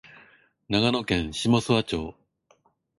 長野県下諏訪町